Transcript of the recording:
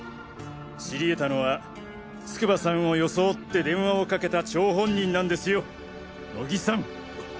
知り得たのは筑波さんを装って電話をかけた張本人なんですよ乃木さん。